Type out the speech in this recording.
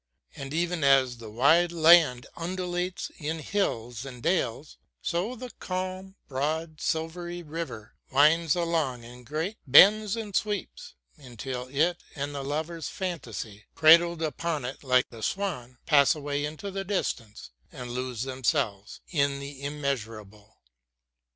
And even as the wide land undulates in hills and dales, so the calm, broad, silvery river winds along in great bends and sweeps, until it and the lover's fantasy, cradled upon it like the swan, pass away into the distance and lose themselves in the immeasurable.